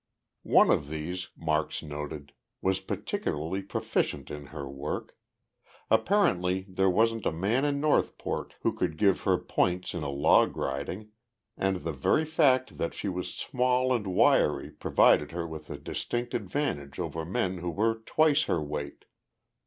One of these, Marks noted, was particularly proficient in her work. Apparently there wasn't a man in Northport who could give her points in log riding, and the very fact that she was small and wiry provided her with a distinct advantage over men who were twice her weight.